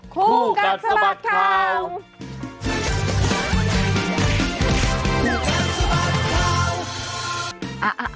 คู่กัดสะบัดข่าว